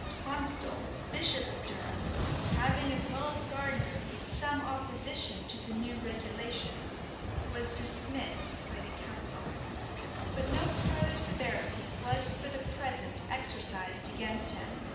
* Fox. vol. ii. Tonstal, bishop of Durham, having, as well as Gardiner, made some opposition to the new regulations, was dismissed by the council; but no further severity was for the present exercised against him.